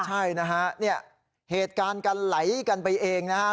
ใช่นะฮะเนี่ยเหตุการณ์กันไหลกันไปเองนะฮะ